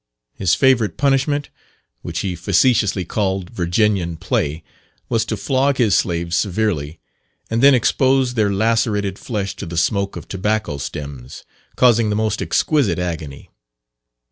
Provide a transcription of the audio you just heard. His favourite punishment, which he facetiously called "Virginian play," was to flog his slaves severely, and then expose their lacerated flesh to the smoke of tobacco stems, causing the most exquisite agony.